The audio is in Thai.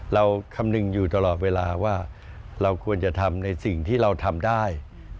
คำนึงอยู่ตลอดเวลาว่าเราควรจะทำในสิ่งที่เราทำได้